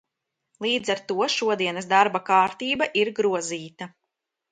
Līdz ar to šodienas darba kārtība ir grozīta.